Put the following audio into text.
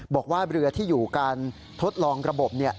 บอกว่าเรือที่อยู่การทดลองระบบ